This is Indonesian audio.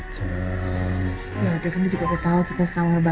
silahkan dilanjutin obrolannya